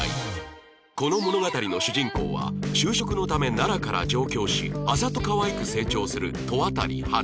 この物語の主人公は就職のため奈良から上京しあざと可愛く成長する戸渡花